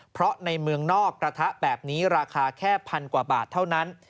เพราะในเมืองนอกกระทะแบบนี้ราคาแค่พันกว่าบาทเท่านั้น